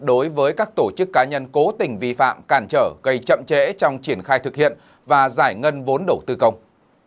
đối với các tổ chức cá nhân cố tình vi phạm càn trở gây chậm trễ trong triển khai thực hiện và giải ngân vốn đầu tư công